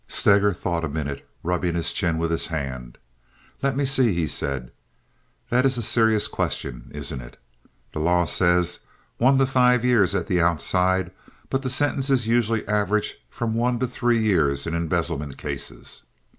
Steger thought a minute, rubbing his chin with his hand. "Let me see," he said, "that is a serious question, isn't it? The law says one to five years at the outside; but the sentences usually average from one to three years in embezzlement cases.